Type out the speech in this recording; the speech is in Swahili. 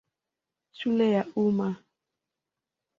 Shule ya Umma.